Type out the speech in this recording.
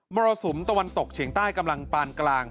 รสุมตะวันตกเฉียงใต้กำลังปานกลาง